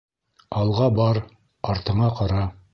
Алға бар, артыңа ҡара.